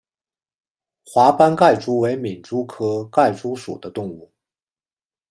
华斑盖蛛为皿蛛科盖蛛属的动物。